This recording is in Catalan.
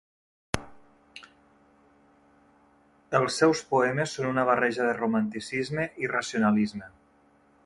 Els seus poemes són una barreja de romanticisme i racionalisme.